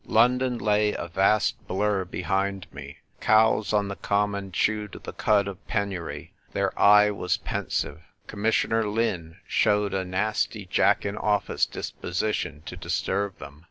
London lay, a vast blur, behind 196 THE TYPE WRITER GIRL. me. Cows on the common chewed the cud of penury. Their eye was pensive. Com missioner Lin showed a nasty Jack in office disposition to disturb them.